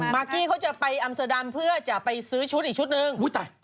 มากกี้เค้าจะไปอัมเสดัมเพื่อจะไปซื้อชุดอีกชุดนึง